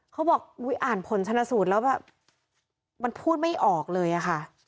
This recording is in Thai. เขาบอกอุ๊ยอ่านผลชนะสูตรแล้วแบบมันพูดไม่ออกเลยอะค่ะ